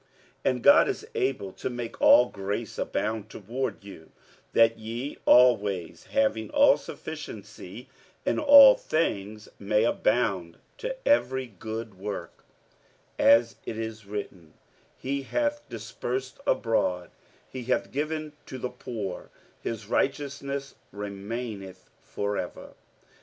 47:009:008 And God is able to make all grace abound toward you; that ye, always having all sufficiency in all things, may abound to every good work: 47:009:009 (As it is written, He hath dispersed abroad; he hath given to the poor: his righteousness remaineth for ever.